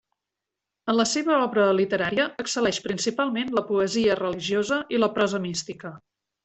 En la seva obra literària excel·leix principalment la poesia religiosa i la prosa mística.